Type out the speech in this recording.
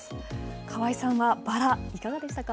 川合さんはバラ、いかがでしたか。